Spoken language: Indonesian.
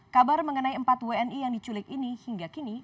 kabar mengenai empat wni yang diculik ini hingga kini